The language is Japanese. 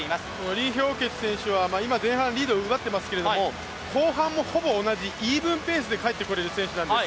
李氷潔選手は今、前半リードを奪っていますから後半もほぼ同じ、イーブンペースで帰ってこられる選手なんです。